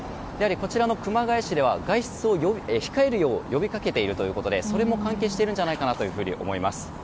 こちらの熊谷市では外出を控えるよう呼びかけているのでそれも関係しているかと思います。